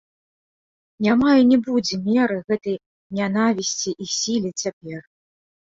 Няма і не будзе меры гэтай нянавісці і сіле цяпер!